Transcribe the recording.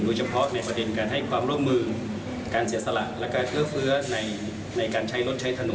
เฉพาะในประเด็นการให้ความร่วมมือการเสียสละและการเอื้อเฟื้อในการใช้รถใช้ถนน